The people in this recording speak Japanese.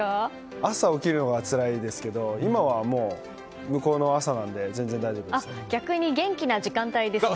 朝起きるのがつらいですけど今は向こうの朝なので逆に元気な時間帯ですね。